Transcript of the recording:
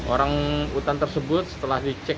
orang utan tersebut setelah dicek